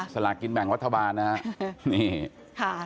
สลากินแบ่งรัฐบาลนะครับ